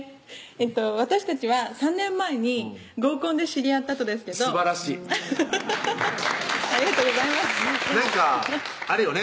私たちは３年前に合コンで知り合ったとですけどすばらしいありがとうございますなんかあれよね